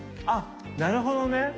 あっなるほどね。